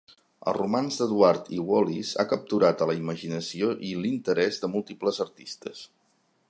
El romanç d'Eduard i Wallis ha capturat a la imaginació i l'interès de múltiples artistes.